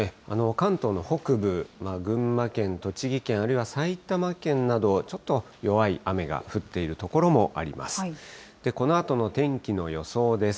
関東の北部、群馬県、栃木県、あるいは埼玉県など、ちょっと弱い雨が降っている所もあります。